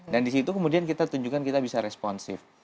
dan di situ kemudian kita tunjukkan kita bisa responsif